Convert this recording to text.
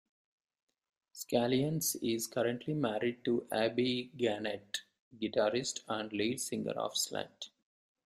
Scallions is currently married to Abby Gennet, guitarist and lead singer of Slunt.